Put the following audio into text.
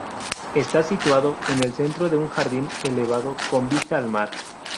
Está situado en el centro de un jardín elevado, con vista al mar.